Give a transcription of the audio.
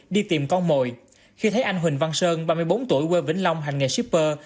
đi tìm con mồi khi thấy anh huỳnh văn sơn ba mươi bốn tuổi quê vĩnh long hành nghề shipper